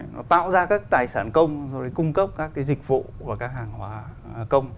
nó tạo ra các tài sản công rồi cung cấp các cái dịch vụ của các hàng hóa công